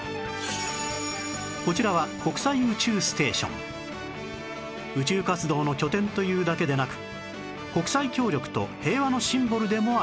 こちらは宇宙活動の拠点というだけでなく国際協力と平和のシンボルでもあります